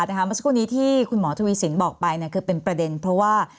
เมื่อสักครู่นี้ที่คุณหมอทวีสินบอกไปคือเป็นประเด็นเพราะว่า